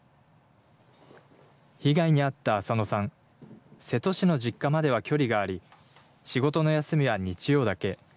被害に遭った浅野さん、瀬戸市の実家までは距離があり、仕事の休みは日曜だけ。